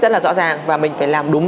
rất là rõ ràng và mình phải làm đúng